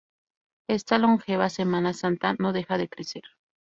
Esta longeva Semana Santa no deja de crecer.